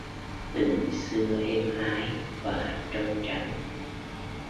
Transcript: Tình xưa êm ái và trong trắng